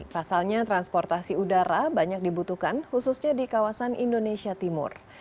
pasalnya transportasi udara banyak dibutuhkan khususnya di kawasan indonesia timur